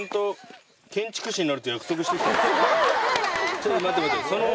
ちょっと待って待って。